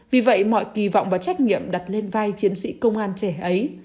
vì vậy mọi kỳ vọng và trách nhiệm đặt lên vai chiến sĩ công an trẻ ấy